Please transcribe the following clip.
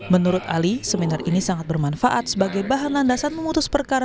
menurut ali seminar ini sangat bermanfaat sebagai bahan landasan memutus perkara